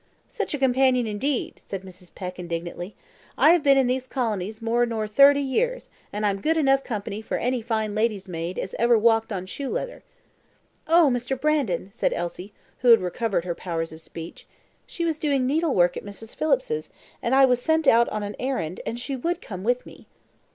"Such a companion, indeed!" said Mrs. Peck, indignantly. "I have been in these colonies more nor thirty years, and I'm good enough company for any fine lady's maid as ever walked on shoe leather." "Oh, Mr. Brandon!" said Elsie, who had recovered her powers of speech; "she was doing needlework at Mrs. Phillips's, and I was sent out on an errand, and she would come with me."